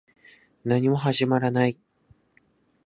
何も始まらない